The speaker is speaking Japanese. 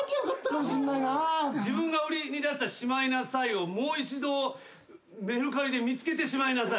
自分が売りに出したしまいなさいをもう一度メルカリで見つけてしまいなさい。